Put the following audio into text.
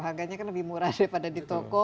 harganya kan lebih murah daripada di toko